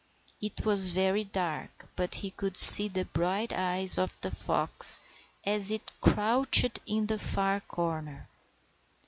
It was very dark, but he could see the bright eyes of the fox as it crouched in the far corner.